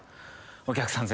お客さん